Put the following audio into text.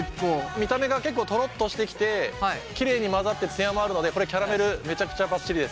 見た目が結構トロッとしてきてきれいに混ざって艶もあるのでこれキャラメルめちゃくちゃばっちりです。